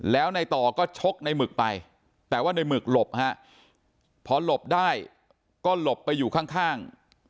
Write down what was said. แล้วในต่อก็ชกในหมึกไปแต่ว่าในหมึกหลบฮะพอหลบได้ก็หลบไปอยู่ข้าง